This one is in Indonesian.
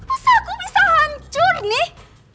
usahaku bisa hancur nih